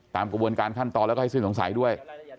กระบวนการขั้นตอนแล้วก็ให้สิ้นสงสัยด้วย